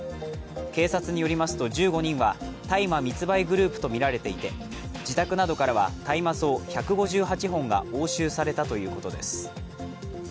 警察によりますと１５人は大麻密売グループとみられていて、自宅などからは、大麻草１５８本が押収されたということです